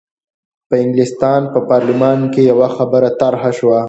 په انګلستان په پارلمان کې یوه خبره طرح شوه.